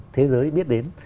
thế giới biết đến